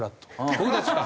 僕たちは。